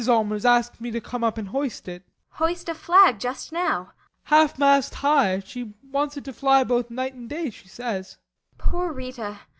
Allmers asked me to come up and hoist it. ASTA. Hoist a flag just now? BORGHEIM. Half mast high. She wants it to fly both night and day, she says. ASTA. Poor Rita!